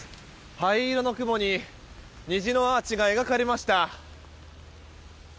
灰色の雲に虹のアーチが描かれました。